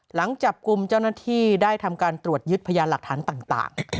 หลังจับกลุ่มเจ้าหน้าที่ได้ทำการตรวจยึดพยานหลักฐานต่าง